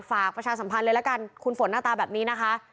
ประชาสัมพันธ์เลยละกันคุณฝนหน้าตาแบบนี้นะคะ